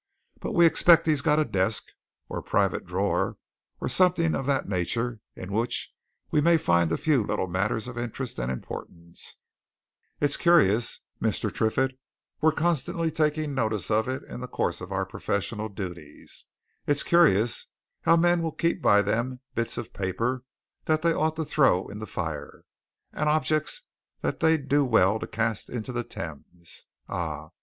"But we expect he's got a desk, or a private drawer, or something of that nature in which we may find a few little matters of interest and importance it's curious, Mr. Triffitt we're constantly taking notice of it in the course of our professional duties it's curious how men will keep by them bits of paper that they ought to throw into the fire, and objects that they'd do well to cast into the Thames! Ah!